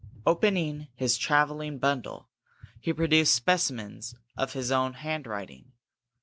Opening his travelling bundle, he produced specimens of his own hand writing.